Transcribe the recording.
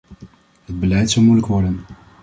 Het beleid zal moeilijk worden.